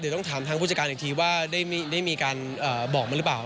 เดี๋ยวต้องถามทางผู้จัดการอีกทีว่าได้มีการบอกมาหรือเปล่า